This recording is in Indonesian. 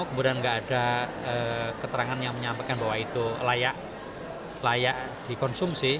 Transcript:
kemudian nggak ada keterangan yang menyampaikan bahwa itu layak dikonsumsi